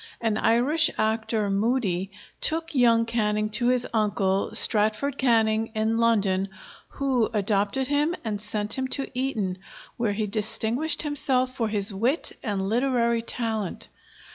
An Irish actor, Moody, took young Canning to his uncle, Stratford Canning, in London, who adopted him and sent him to Eton, where he distinguished himself for his wit and literary talent.